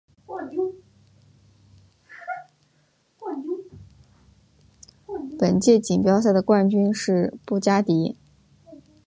本届锦标赛的冠军是布加迪。